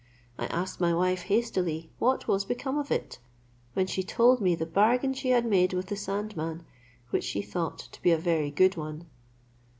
I asked my wife hastily what was become of it; when she told me the bargain she had made with the sandman, which she thought to be a very good one.